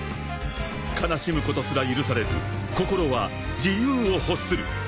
［悲しむことすら許されず心は自由を欲する］